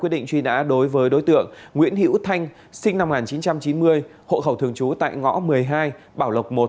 đối tượng nguyễn hữu thanh sinh năm một nghìn chín trăm chín mươi hộ khẩu thường trú tại ngõ một mươi hai bảo lộc một